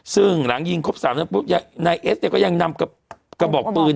ซึ่งหลังยิงครบ๓นัดปุ๊บนายเอสเนี่ยก็ยังนำกระบอกปืน